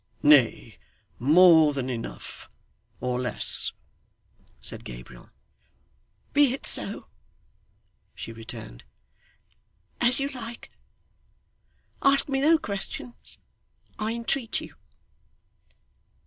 'Nay, more than enough or less,' said Gabriel. 'Be it so,' she returned. 'As you like. Ask me no questions, I entreat you.